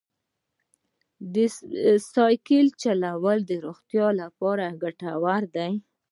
سایکل چلول د روغتیا لپاره ګټور دی.